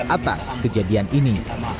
atas kejadian ini